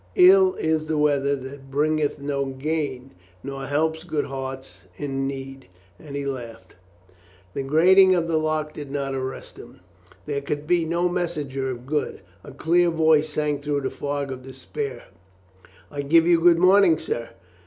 Ill is the weather that bringeth no gain, Nor helps good hearts in need. And he laughed. The grating of the lock did not arrest him. There could be no messenger of good. A clear voice rang through the fog of despair, "I give you good mor row, sir."